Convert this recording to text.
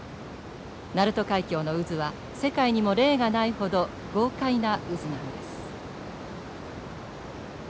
鳴門海峡の渦は世界にも例がないほど豪快な渦なのです。